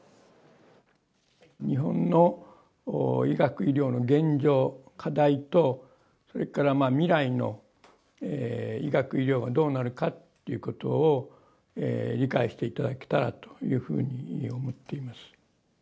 日本の医学・医療の現状、課題と、それから未来の医学・医療がどうなるかということを、理解していただけたらというふうに思っています。